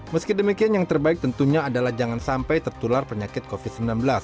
meski demikian yang terbaik tentunya adalah jangan sampai tertular penyakit covid sembilan belas